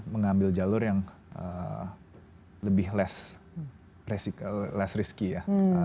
mengambil jalur yang lebih less risky ya